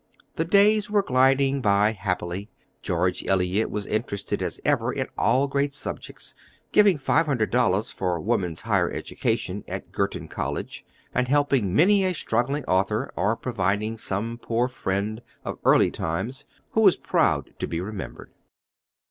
The days were gliding by happily. George Eliot was interested as ever in all great subjects, giving five hundred dollars for woman's higher education at Girton College, and helping many a struggling author, or providing for some poor friend of early times who was proud to be remembered.